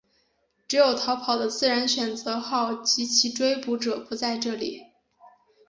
只有逃跑的自然选择号及其追捕者不在这里。